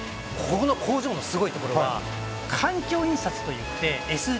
この工場のすごいところは環境印刷といってＳＤＧｓです。